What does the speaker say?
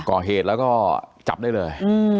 ก่อเหตุแล้วก็จับได้เลย